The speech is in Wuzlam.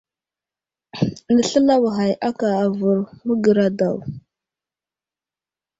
Nəsləlaɓ ghay aka avər magəra daw.